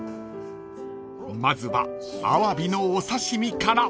［まずはアワビのお刺し身から］